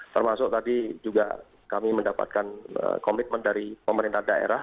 termasuk tadi juga kami mendapatkan komitmen dari pemerintah daerah